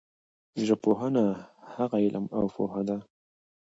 ژبپوهنه هغه علم او پوهه ده